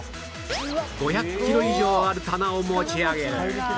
５００キロ以上ある棚を持ち上げる